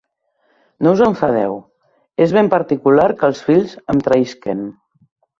No us enfadeu, és ben particular que els fills em traïsquen!